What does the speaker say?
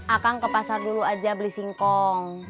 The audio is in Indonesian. akang ke pasar dulu aja beli singkong